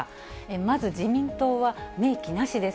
まず、自民党は明記なしです。